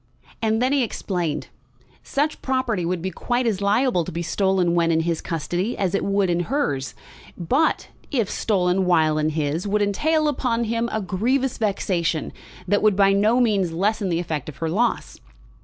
And then he explained. Such property would be quite as liable to be stolen when in his custody as it would in hers; but if stolen while in his would entail upon him a grievous vexation which would by no means lessen the effect of her loss.